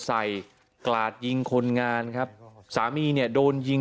กราดยิงคนงานครับสามีเนี่ยโดนยิง